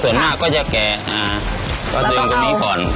ส่วนมากก็จะแกะเอาตรงตรงนี้ก่อนครับ